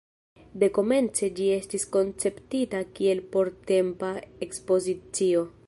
Dekomence ĝi estis konceptita kiel portempa ekspozicio.